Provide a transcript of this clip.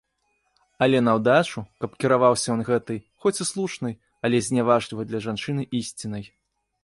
Але наўдачу, каб кіраваўся ён гэтай, хоць і слушнай, але зняважлівай для жанчыны ісцінай.